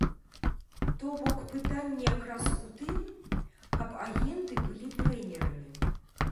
То бок, пытанне якраз у тым, каб агенты былі трэнерамі!